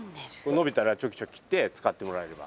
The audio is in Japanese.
伸びたらチョキチョキ切って使ってもらえれば。